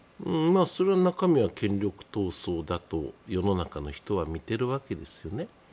それは中身は権力闘争だと世の中の人は見ているわけですよね。